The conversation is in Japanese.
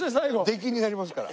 出禁になりますから。